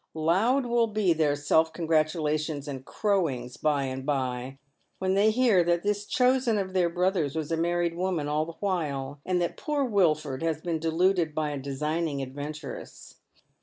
Loud will be their self congratulations and crowings by and bye when they hear that this chosen of their brother's was a married woman all the while, and that poor Wilford has been deluded by a designing adventuress.